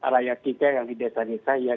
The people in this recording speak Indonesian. rakyat kita yang di desa indonesia